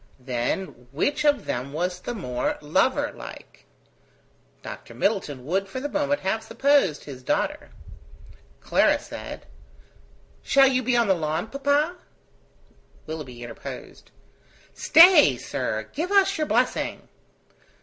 Then which of them was the more lover like? Dr. Middleton would for the moment have supposed his daughter. Clara said: "Shall you be on the lawn, papa?" Willoughby interposed. "Stay, sir; give us your blessing."